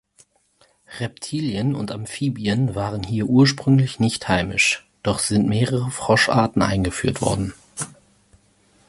Reptilien und Amphibien waren hier ursprünglich nicht heimisch, doch sind mehrere Froscharten eingeführt worden.